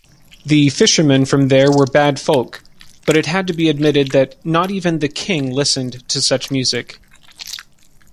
The fishermen from there were bad folk, but it had to be admitted that not even the king listened to such music.